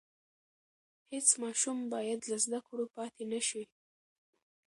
هېڅ ماشوم بايد له زده کړو پاتې نشي.